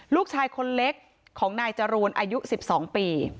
ลูกชายคนเล็กของนายจรูนอายุ๑๒ปี